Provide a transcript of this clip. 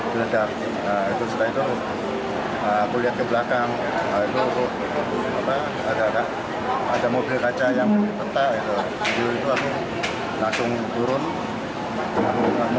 setelah itu aku lihat ke belakang ada mobil kaca yang peta